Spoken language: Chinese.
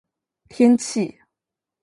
天气